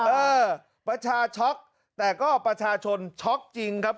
เออประชาช็อกแต่ก็ประชาชนช็อกจริงครับ